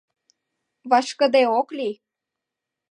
Вашкыде ок лий.